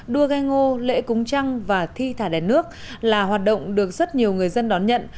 đua ghe ngô lễ cúng trăng và thi thả đèn nước là hoạt động được rất nhiều người dân đón nhận